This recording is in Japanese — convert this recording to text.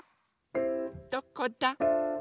どこだ？